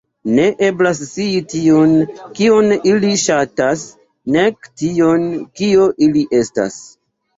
Ne eblas scii tion, kion ili ŝatas, nek tion, kio ili estas.